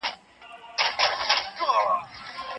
که قاضي وي نو انصاف نه ورکېږي.